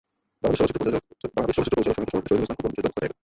বাংলাদেশ চলচ্চিত্র পরিচালক সমিতির সভাপতি শহীদুল ইসলাম খোকন বিশেষ ব্যবস্থা চাইলেন।